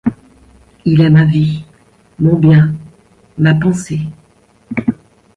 Il est ma vie, mon bien, ma pensée.